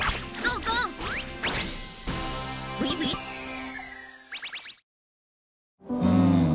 うん。